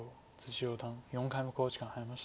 四段４回目の考慮時間に入りました。